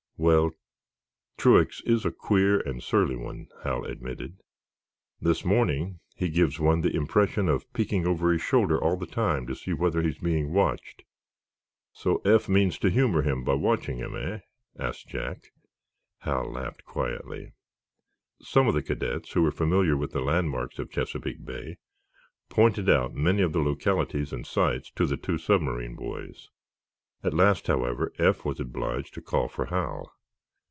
"Well, Truax is a queer and surly one," Hal admitted. "This morning he gives one the impression of peeking over his shoulder all the time to see whether he's being watched." "So Eph means to humor him by watching him, eh?" asked Jack. Hal laughed quietly. Some of the cadets who were familiar with the landmarks of Chesapeake Bay pointed out many of the localities and sights to the two submarine boys. At last, however, Eph was obliged to call for Hal.